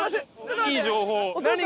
いい情報。